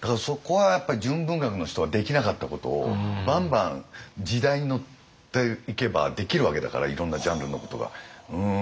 だからそこはやっぱり純文学の人ができなかったことをバンバン時代に乗っていけばできるわけだからいろんなジャンルのことが。